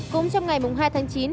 cũng trong ngày hai tháng chín